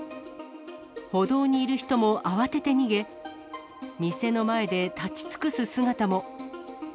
歩道にいる人も慌てて逃げ、店の前で立ち尽くす姿も。